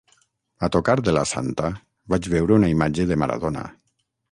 A tocar de la santa, vaig veure una imatge de Maradona.